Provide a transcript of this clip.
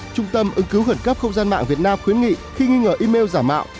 trung tâm ứng cứu khẩn cấp không gian mạng việt nam khuyến nghị khi nghi ngờ email giả mạo